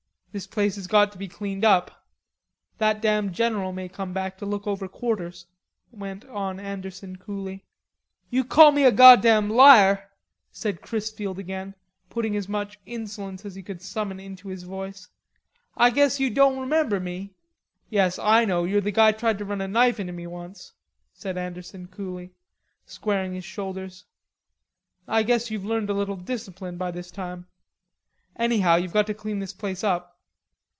"This place has got to be cleaned up.... That damn General may come back to look over quarters," went on Anderson coolly. "You call me a goddam liar," said Chrisfield again, putting as much insolence as he could summon into his voice. "Ah guess you doan' remember me." "Yes, I know, you're the guy tried to run a knife into me once," said Anderson coolly, squaring his shoulders. "I guess you've learned a little discipline by this time. Anyhow you've got to clean this place up.